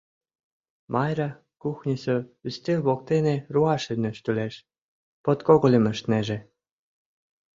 Майра кухньысо ӱстел воктене руашым нӧштылеш, подкогыльым ыштынеже.